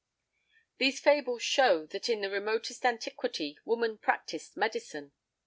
These fables show that in the remotest antiquity woman practised medicine.